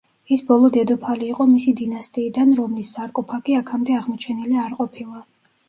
ის ბოლო დედოფალი იყო მისი დინასტიიდან, რომლის სარკოფაგი აქამდე აღმოჩენილი არ ყოფილა.